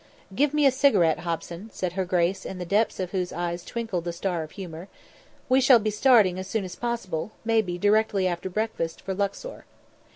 "Give me a cigarette, Hobson," said her grace, in the depths of whose eyes twinkled the star of humour. "We shall be starting as soon as possible, maybe directly after breakfast, for Luxor."